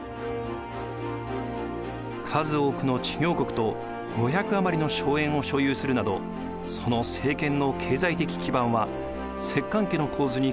数多くの知行国と５００余りの荘園を所有するなどその政権の経済的基盤は摂関家の構図に酷似していました。